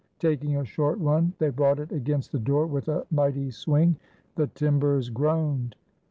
Taking a short run, they brought it against the door with a mighty swing. The timbers groaned.